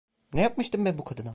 Ne yapmıştım ben bu kadına?